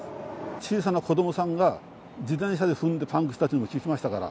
小さな子どもさんが自転車で踏んでパンクしたっていうのを聞きましたから。